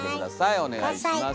お願いします。